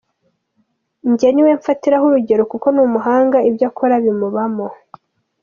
Njye niwe mfatiraho urugero kuko ni umuhanga ibyo akora bimubamo.